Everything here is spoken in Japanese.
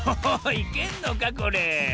いけんのかこれ？